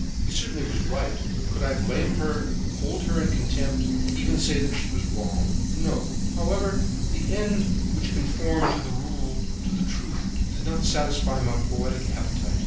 He certainly was right. Could I blame her, hold her in contempt, even say that she was wrong? No. However, the end which conformed to the rule, to the truth, did not satisfy my poetic appetite.